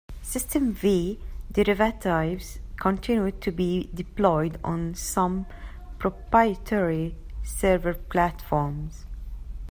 System V derivatives continued to be deployed on some proprietary server platforms.